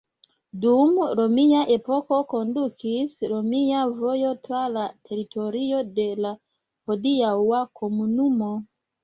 Dum romia epoko kondukis romia vojo tra la teritorio de la hodiaŭa komunumo.